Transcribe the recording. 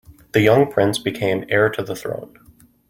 The young prince became heir to the throne.